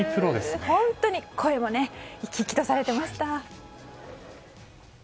声も生き生きとされていました。